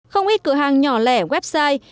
không ít cửa hàng nhỏ lẻ website